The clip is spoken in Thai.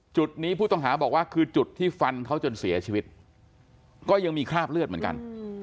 จุดนี้ผู้ต้องหาบอกว่าคือจุดที่ฟันเขาจนเสียชีวิตก็ยังมีคราบเลือดเหมือนกัน